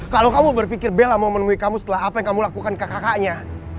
kalau kamu berpikir bella mau menemui kamu setelah apa yang kamu lakukan kakak kakaknya